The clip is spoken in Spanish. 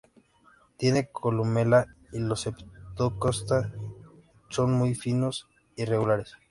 Tienen columela, y los septo-costa son muy finos y regulares.